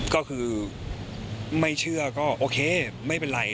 ก็คือไม่เชื่อก็โอเคไม่เป็นไร